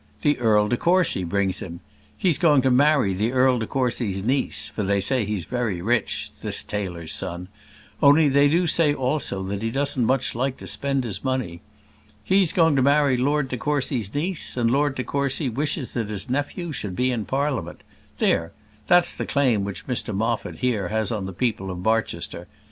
The Earl de Courcy brings him. He's going to marry the Earl de Courcy's niece; for they say he's very rich this tailor's son only they do say also that he doesn't much like to spend his money. He's going to marry Lord de Courcy's niece, and Lord de Courcy wishes that his nephew should be in Parliament. There, that's the claim which Mr Moffat has here on the people of Barchester.